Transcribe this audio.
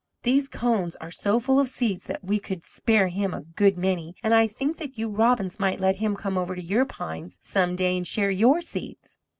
These cones are so full of seeds that we could spare him a good many; and I think that you Robins might let him come over to your pines some day and share your seeds.